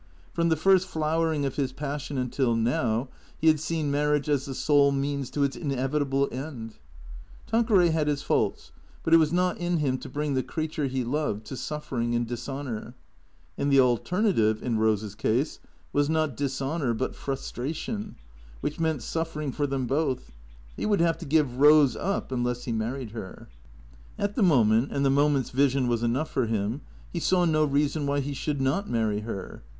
From the first flower ing of his passion until now, he had seen marriage as the sole means to its inevitable end. Tanqueray had his faults, but it was not in him to bring the creature he loved to suffering and dishonour. And the alternative, in Eose's case, was not dis honour, but frustration, which meant suffering for them both. He would have to give Eose up unless he married her. At the moment, and the moment's vision was enough for him, he saw no reason why he should not marry her.